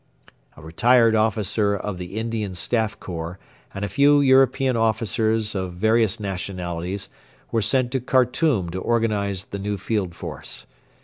A retired officer of the Indian Staff Corps and a few European officers of various nationalities were sent to Khartoum to organise the new field force.